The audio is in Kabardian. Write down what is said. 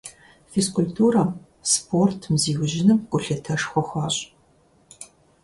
Физкультурэм, спортым зиужьыным гулъытэшхуэ хуащӀ.